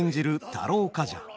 太郎冠者。